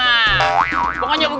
akal akalan aja itu mah